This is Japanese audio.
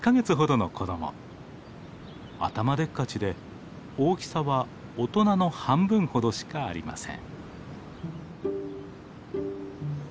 頭でっかちで大きさは大人の半分ほどしかありません。